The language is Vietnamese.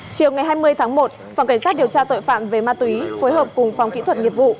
chiều ngày hai mươi tháng một phòng cảnh sát điều tra tội phạm về ma túy phối hợp cùng phòng kỹ thuật nghiệp vụ